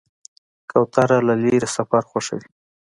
کوتره له لرې سفر خوښوي.